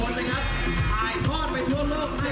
ถ่ายท่อสไปทั่วโลกนะครับกำลังใจ